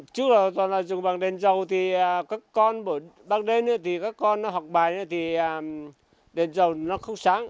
trước đó toàn là dùng bằng đèn dầu thì các con bằng đèn thì các con học bài thì đèn dầu nó không sáng